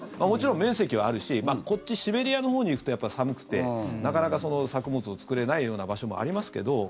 もちろん面積はあるしこっち、シベリアのほうに行くとやっぱり寒くてなかなか作物を作れないような場所もありますけど。